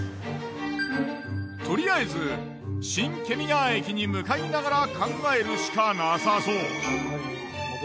とりあえず新検見川駅に向かいながら考えるしかなさそう。